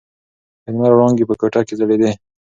د لمر وړانګې په کوټه کې ځلېدې.